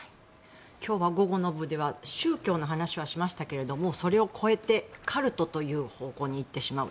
今日は午後の部では宗教の話はしましたけどそれを超えてカルトという方向に行ってしまう。